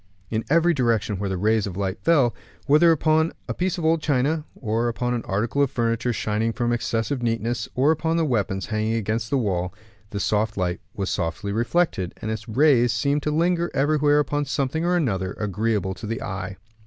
In every direction where the rays of light fell, whether upon a piece of old china, or upon an article of furniture shining from excessive neatness, or upon the weapons hanging against the wall, the soft light was softly reflected; and its rays seemed to linger everywhere upon something or another, agreeable to the eye.